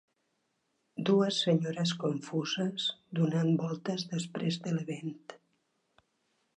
Dues senyores confuses donant voltes després de l'event.